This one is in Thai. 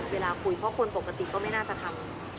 เวลาคุยเพราะคนปกติก็ไม่น่าจะทำ